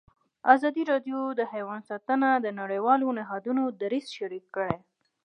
ازادي راډیو د حیوان ساتنه د نړیوالو نهادونو دریځ شریک کړی.